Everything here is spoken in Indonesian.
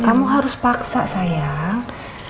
kamu harus paksa sayang